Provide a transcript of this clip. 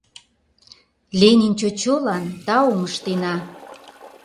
Ленин чочолан таум ыштена!